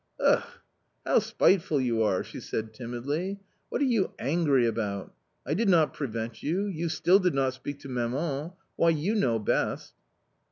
" Ugh ! how spiteful you are !" she said timidly, "what are you angry about ? I did not prevent you, you still did not speak to tnaman — why, you know best."